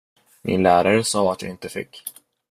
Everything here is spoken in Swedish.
Min lärare sa att jag inte fick.